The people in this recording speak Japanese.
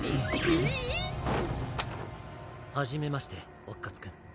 ええっ⁉はじめまして乙骨君。